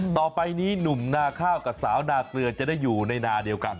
ต่อไปนี้หนุ่มนาข้าวกับสาวนาเกลือจะได้อยู่ในนาเดียวกัน